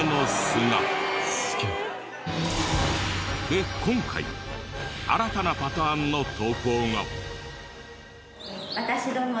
で今回新たなパターンの投稿が。